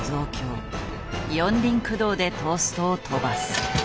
四輪駆動でトーストを跳ばす。